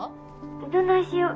どないしよ。